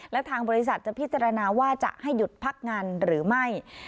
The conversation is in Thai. และทางบริษัทจะพิจารณาว่าจะให้หยุดพักงานหรือไม่